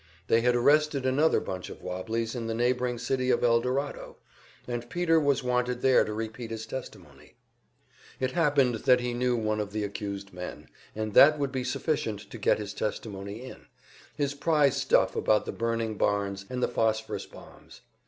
They had arrested another bunch of "wobblies" in the neighboring city of Eldorado, and Peter was wanted there to repeat his testimony. It happened that he knew one of the accused men, and that would be sufficient to get his testimony in his prize stuff about the burning barns and the phosphorus bombs.